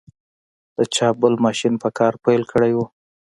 د چاپ بل ماشین په کار پیل کړی و.